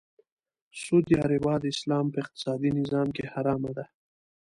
سود یا ربا د اسلام په اقتصادې نظام کې حرامه ده .